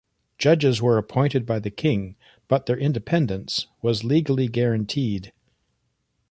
Judges were appointed by the king, but their independence was legally guaranteed.